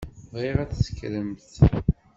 Bɣiɣ ad tekkremt.